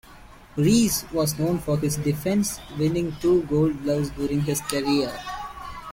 Reese was known for his defense, winning two Gold Gloves during his career.